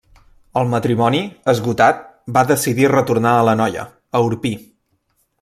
El matrimoni, esgotat, va decidir retornar a l’Anoia, a Orpí.